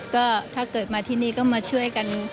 ก็ถ้าเกิดมาที่นี่ก็มาช่วยกัน